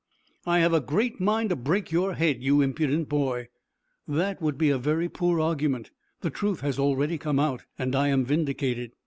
"I have a great mind to break your head, you impudent boy!" "That would be a very poor argument. The truth has already come out, and I am vindicated."